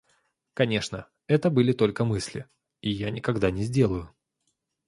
Конечно, это были только мысли, и я никогда не сделаю.